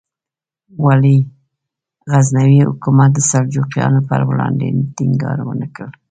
ولې غزنوي حکومت د سلجوقیانو پر وړاندې ټینګار ونکړ؟